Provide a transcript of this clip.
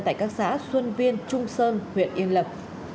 tại các xã xuân viên trung sơn huyện yên lập